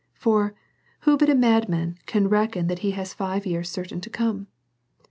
For who but a madman can reckon that he has five years certain to come?